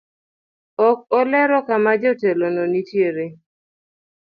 Ok olero kama jatelono nitiere.